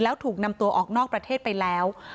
แล้วถูกนำตัวออกนอกประเทศไปแล้ว